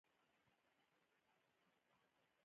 افغانستان کې د وحشي حیواناتو د پرمختګ هڅې روانې دي.